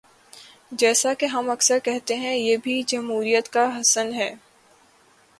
جیسا کہ ہم اکثر کہتے ہیں، یہ بھی جمہوریت کا حسن ہے۔